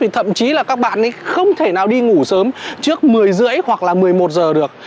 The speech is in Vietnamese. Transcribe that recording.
thậm chí là các bạn ấy không thể nào đi ngủ sớm trước một mươi rưỡi hoặc là một mươi một giờ được